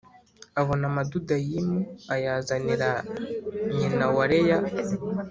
abona amadudayimu ayazanira nyina wa Leya